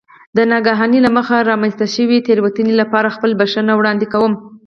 د نااګاهۍ له مخې رامنځته شوې تېروتنې لپاره خپله بښنه وړاندې کوم.